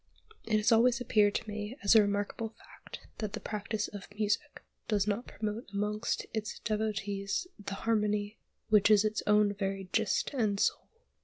It has always appeared to me as a remarkable fact that the practice of Music does not promote amongst its devotees the harmony which is its own very gist and soul.